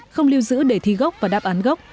không lưu giữ đề thi gốc và đáp án gốc